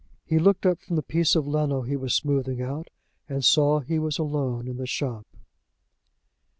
He looked up from the piece of leno he was smoothing out, and saw he was alone in the shop.